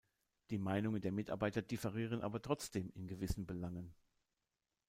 Die Meinungen der Mitarbeiter differieren aber trotzdem in gewissen Belangen.